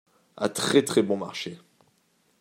À très très bon marché.